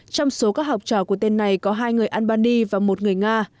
trong số các học trò của tên này có hai người albany và một người nga